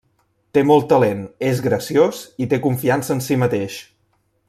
Té molt talent, és graciós i té confiança en si mateix.